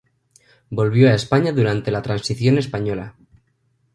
Volvió a España durante la Transición Española.